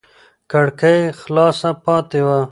کړکۍ خلاصه پاتې وه.